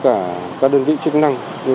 các đơn vị chức năng như